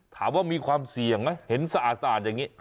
ถามว่ามีความเสี่ยงไหมเห็นสะอาดอย่างนี้